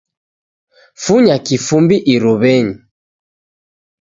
Funya kifumbi iruw'enyi